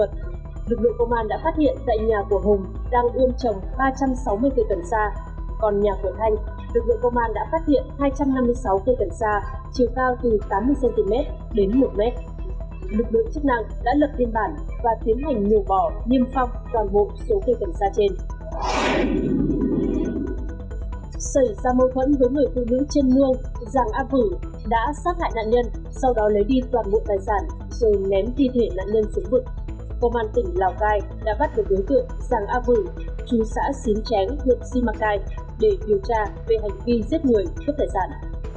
công an tỉnh lào cai đã bắt được đối tượng giàng a vử chú xã xín tráng thượng xi mạc cai để điều tra về hành vi giết người cướp tài sản